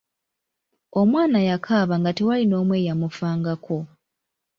Omwana yakaaba nga tewaali n'omu eyamufangako.